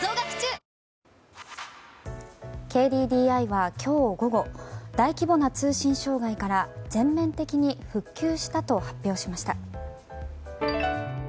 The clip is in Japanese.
ＫＤＤＩは今日午後大規模な通信障害から全面的に復旧したと発表しました。